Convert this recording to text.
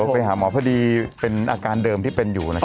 ไปหาหมอพอดีเป็นอาการเดิมที่เป็นอยู่